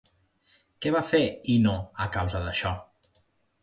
Què va fer Ino, a causa d'això?